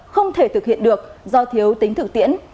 không thể thực hiện được do thiếu tính thực tiễn